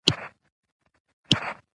د افغانستان جغرافیه کې جواهرات ستر اهمیت لري.